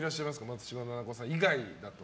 松嶋菜々子さん以外だと。